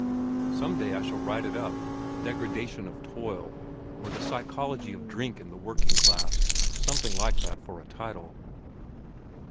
"Some day I shall write it up—'The Degradation of Toil' or the 'Psychology of Drink in the Working class,' or something like that for a title."